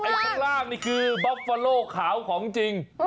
ข้างล่างนี่คือบ๊อฟฟาโลขาวของจริง